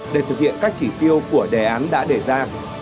để thực hiện các chỉ tiêu của đề án đã đề ra